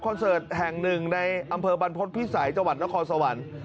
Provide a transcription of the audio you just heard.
คอนเสิร์ตแห่งหนึ่งในอำเภอบรรพฤษภิสัยจละครสวรรค์